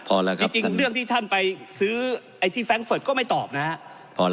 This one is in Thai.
พี่จริงเลือกที่ท่านไปซื้อไอที่แฟรงก์เฟิร์ตก็ไม่ตอบนะฮะ